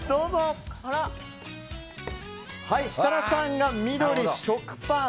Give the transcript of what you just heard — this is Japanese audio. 設楽さんが緑、食パン。